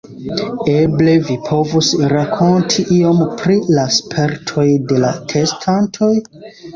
Eble vi povus rakonti iom pri la spertoj de la testantoj?